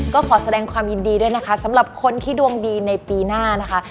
ก็ขอแสดงความยินดีด้วยนะคะสำหรับคนที่ดวงดีในปีหน้านะคะ